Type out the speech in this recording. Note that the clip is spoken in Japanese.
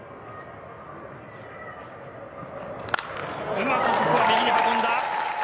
うまくここは右に運んだ。